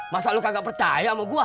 masak lu kagak percaya sama gua